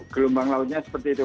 gelombang lautnya seperti itu